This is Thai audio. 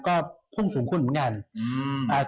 ก็พุ่งสูงขึ้นเหมือนกัน